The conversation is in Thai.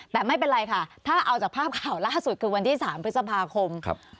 แต่ไม่เป็นไรค่ะถ้าเอาจากภาพข่าวล่าสุดคือวันที่๓พฤษภาคม